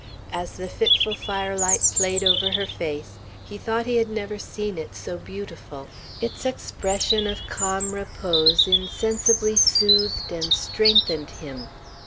As the fitful firelight played over her face, he thought he had never seen it so beautiful, Its expression of calm repose insensibly soothed and strengthened him.